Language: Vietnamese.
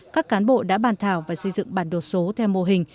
các cán bộ đã bàn thảo và xây dựng bản đồ số theo mô hình